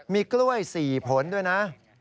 มีกล้วย๔ผลด้วยนะ